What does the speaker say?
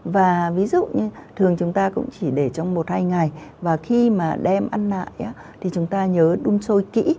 và ví dụ như thường chúng ta cũng chỉ để trong một hai ngày và khi mà đem ăn nại thì chúng ta nhớ đun sôi kỹ